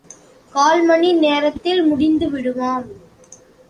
கால்மணி நேரத்தில் முடிந்து விடுமாம்.